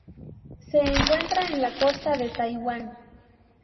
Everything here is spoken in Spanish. Se encuentran en la costa de Taiwán.